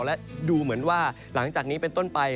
และดูเหมือนว่าหลังจากนี้เป็นต้นไป